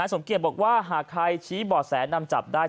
สมเกียจบอกว่าหากใครชี้บ่อแสนำจับได้